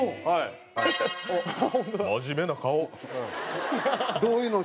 はい。